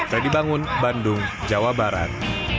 reddy bangun bandung jawa barat